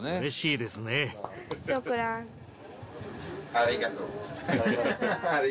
ありがとう。